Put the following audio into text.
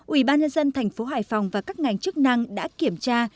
ủy ban nhân dân tp hải phòng và các ngành chức năng đã kiểm tra